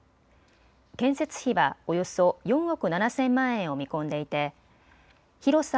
建設費はおよそ４億７０００万円を見込んでいて広さ